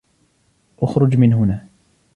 إخرج من هنا.